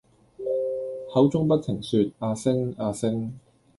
口中不停說「阿星」「阿星」！